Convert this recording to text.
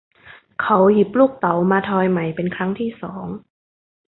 เขาหยิบลูกเต๋ามาทอยใหม่เป็นครั้งที่สอง